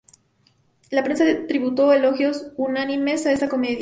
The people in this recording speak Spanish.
La prensa tributó elogios unánimes a esta comedia.